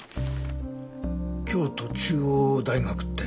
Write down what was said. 京都中央大学って。